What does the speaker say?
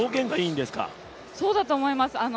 そうだと思います